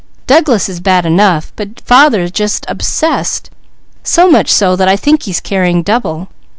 "Douglas is bad enough, but father's just obsessed, so much so that I think he's carrying double."